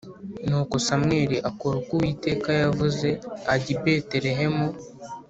Nuko Samweli akora uko Uwiteka yavuze, ajya i Betelehemu.